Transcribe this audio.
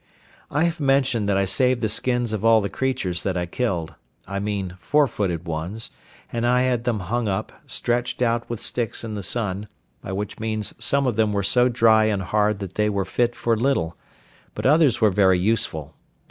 I have mentioned that I saved the skins of all the creatures that I killed, I mean four footed ones, and I had them hung up, stretched out with sticks in the sun, by which means some of them were so dry and hard that they were fit for little, but others were very useful.